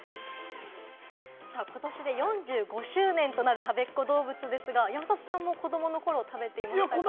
今年で４５周年となる、たべっ子どうぶつですが、山里さんも子供の頃は食べていましたか？